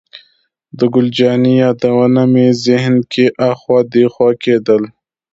د ګل جانې یادونه مې ذهن کې اخوا دېخوا کېدل.